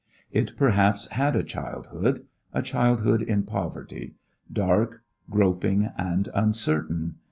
It perhaps had a childhood; a childhood in poverty dark, groping and uncertain.